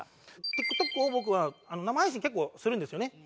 ＴｉｋＴｏｋを僕は生配信結構するんですよね。